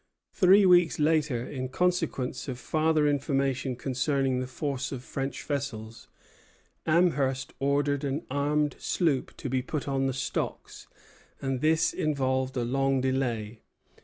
Three weeks later, in consequence of farther information concerning the force of the French vessels, Amherst ordered an armed sloop to be put on the stocks; and this involved a long delay.